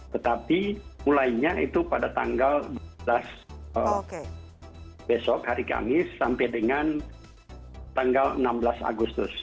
tetapi mulainya itu pada tanggal dua belas besok hari kamis sampai dengan tanggal enam belas agustus